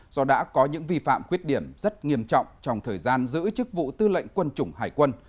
do đã có những vi phạm khuyết điểm rất nghiêm trọng trong thời gian giữ chức vụ tư lệnh quân chủng hải quân